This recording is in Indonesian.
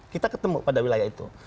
kita ketemu pada wilayah itu